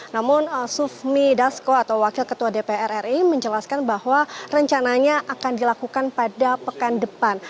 namun sufmi dasko atau wakil ketua dpr ri menjelaskan bahwa rencananya akan dilakukan pada pekan depan